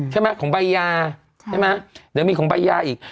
ใช่ไหมของใบยาใช่ไหมเดี๋ยวมีของใบยาอีก